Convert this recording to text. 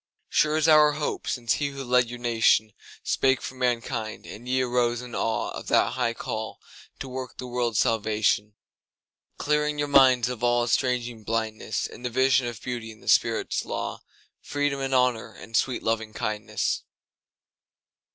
Sure is our hope since he who led your nationSpake for mankind, and ye arose in aweOf that high call to work the world's salvation; Clearing your minds of all estranging blindnessIn the vision of Beauty and the Spirit's law, Freedom and Honour and sweet Lovingkindness.